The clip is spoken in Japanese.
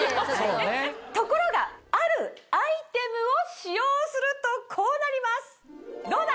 ところがあるアイテムを使用するとこうなりますどうだ？